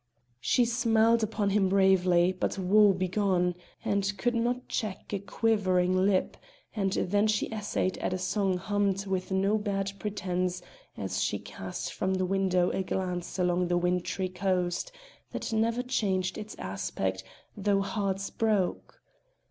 She smiled upon him bravely, but woe begone, and could not check a quivering lip, and then she essayed at a song hummed with no bad pretence as she cast from the window a glance along the wintry coast, that never changed its aspect though hearts broke.